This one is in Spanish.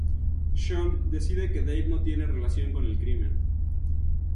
Sean decide que Dave no tiene relación con el crimen.